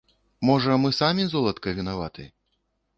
Можа, мы самі, золатка, вінаваты?